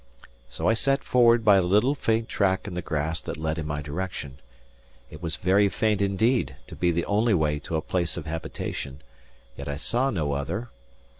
So I set forward by a little faint track in the grass that led in my direction. It was very faint indeed to be the only way to a place of habitation; yet I saw no other.